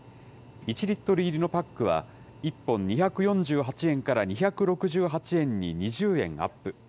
１リットル入りのパックは１本２４８円から２６８円に２０円アップ。